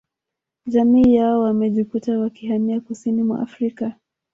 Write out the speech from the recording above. Jamii yao wamejikuta wakihamia kusini mwa Afrika